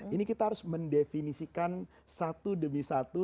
ini kita harus mendefinisikan satu demi satu